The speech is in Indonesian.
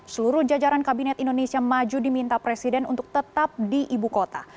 seluruh jajaran kabinet indonesia maju diminta presiden untuk tetap di ibu kota